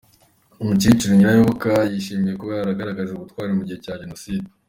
Umukecuru Nyirayoboka yashimiwe kuba yaragaragaje ubutwari mu gihe cya Jenoside.